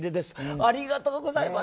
ありがとうございます。